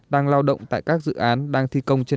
đang lao động tại các dự án đang thi công trên địa bàn huyện